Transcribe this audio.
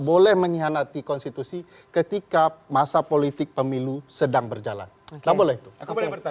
boleh menyihanati konstitusi ketika masa politik pemilu sedang berjalan tak boleh aku boleh bertanya